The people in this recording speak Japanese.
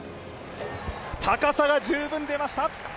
高さが十分出ました。